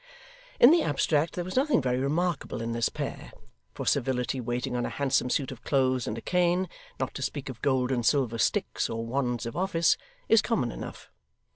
In the abstract there was nothing very remarkable in this pair, for servility waiting on a handsome suit of clothes and a cane not to speak of gold and silver sticks, or wands of office is common enough.